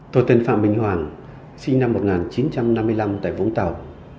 tôi tên phạm minh hoàng sinh năm một nghìn chín trăm năm mươi năm tại vũng tàu